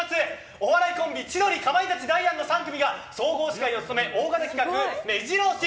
お笑いコンビ、千鳥かまいたち、ダイアンの３組が総合司会を務め大型企画が目白押し。